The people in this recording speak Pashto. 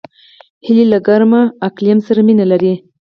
هیلۍ له ګرم اقلیم سره مینه لري